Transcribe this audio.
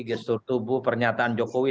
gestur tubuh pernyataan jokowi